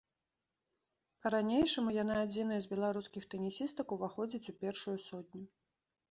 Па-ранейшаму яна адзіная з беларускіх тэнісістак уваходзіць у першую сотню.